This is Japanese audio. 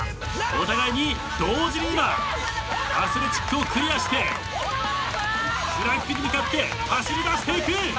お互いに同時に今アスレチックをクリアしてフラッグに向かって走りだしていく！